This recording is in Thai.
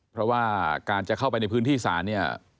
เพราะว่าการจะเข้าไปในพื้นที่ศาลเนี่ย